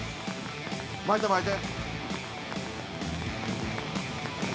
巻いて巻いて。